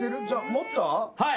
持った。